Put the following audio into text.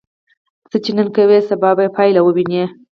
څه چې نن کوې، سبا به یې پایله ووینې.